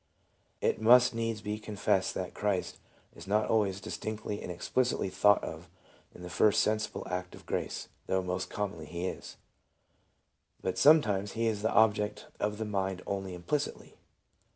" It must needs be confessed that Christ is not always distinctly and explicitly thought of in the first sensible act of grace (though most commonly He is); but sometimes He is the object of the mind only implicitly.